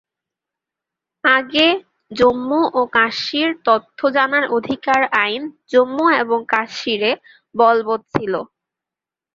আগে, জম্মু ও কাশ্মীর তথ্য জানার অধিকার আইন জম্মু এবং কাশ্মীরে বলবৎ ছিল।